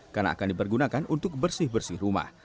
karena akan dipergunakan untuk bersih bersih rumah